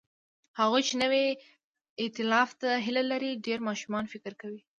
هغوی چې نوي ائتلاف ته هیله لري، ډېر ماشومانه فکر کوي.